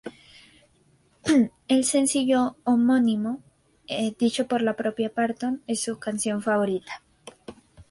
El sencillo homónimo, dicho por la propia Parton, es su canción favorita.